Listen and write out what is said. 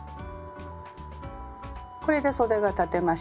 これでそでが裁てました。